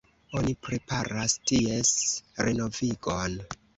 Oni preparas ties renovigon.